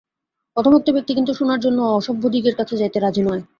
প্রথমোক্ত ব্যক্তি কিন্তু সোনার জন্য অসভ্যদিগের কাছে যাইতে রাজী নয়।